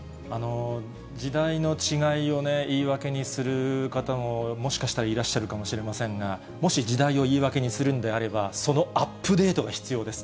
時代の違いを言い訳にする方ももしかしたらいらっしゃるかもしれませんが、もし時代を言い訳にするんであれば、そのアップデートが必要です。